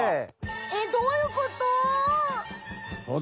えっどういうこと？